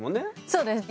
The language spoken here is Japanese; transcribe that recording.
そうです。